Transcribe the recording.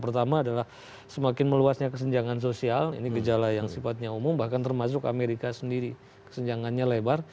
pertama adalah semakin meluasnya kesenjangan sosial ini gejala yang sifatnya umum bahkan termasuk amerika sendiri kesenjangannya lebar